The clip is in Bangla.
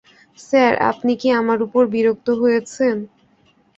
স্যার, আপনি কি আমার উপর বিরক্ত হয়েছেন?